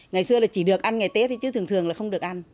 ngày xưa là chỉ được ăn ngày tết thì chứ thường thường là không được ăn